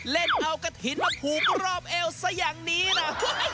เล่นเอากระถิ่นมาผูกรอบเอวซะอย่างนี้นะ